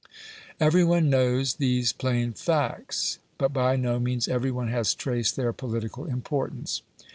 Every one knows these plain facts, but by no means every one has traced their political importance.